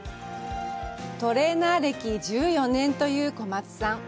トレーナー歴１４年という小松さん。